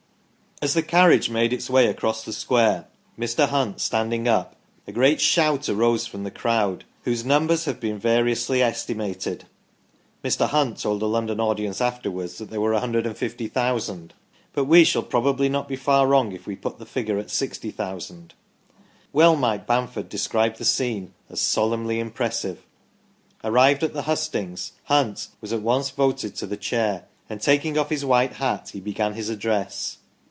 As the carriage made its way a9ross the square Mr. Hunt stand ing up a great shout arose from a crowd whose numbers have been variously estimated (Mr. Hunt told a London audience afterwards that there were 1 50,000 !), but we shall probably not be far wrong if we put the figure at 60,000. Well might Bamford describe the scene as "solemnly impressive". Arrived at the hustings Hunt was at once voted to the chair, and taking off his white hat, he began his address.